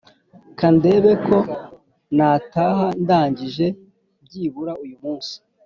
Kandebe ko nataha ndangije byibura uyu munsi